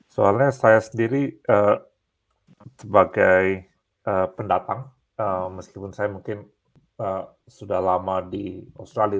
soalnya saya sendiri sebagai pendatang meskipun saya mungkin sudah lama di australia